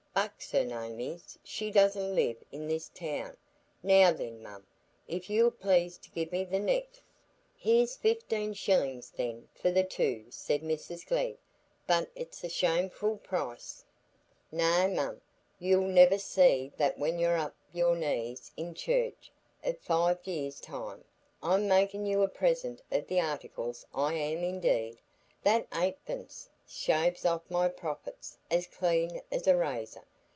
Bucks her name is, she doesn't live i' this town. Now then, mum, if you'll please to give me the net——" "Here's fifteen shilling, then, for the two," said Mrs Glegg. "But it's a shameful price." "Nay, mum, you'll niver say that when you're upo' your knees i' church i' five years' time. I'm makin' you a present o' th' articles; I am, indeed. That eightpence shaves off my profits as clean as a razor.